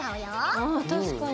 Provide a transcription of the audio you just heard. あ確かに。